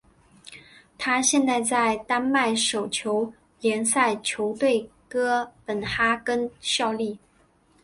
他现在在丹麦手球联赛球队哥本哈根效力。